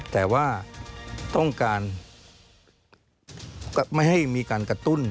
แต่ว่าต้องการไม่ให้มีการกระตุ้น